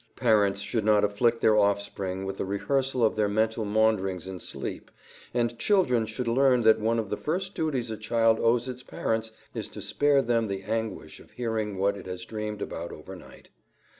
Parents should not afflict their offspring with the rehearsal of their mental maunderings in sleep, and children should learn that one of the first duties a child owes its parents is to spare them the anguish of hearing what it has dreamed about overnight.